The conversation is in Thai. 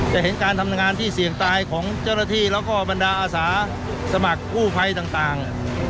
เห็นการทำงานที่เสี่ยงตายของเจ้าหน้าที่แล้วก็บรรดาอาสาสมัครกู้ภัยต่าง